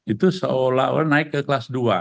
itu seolah olah naik ke kelas dua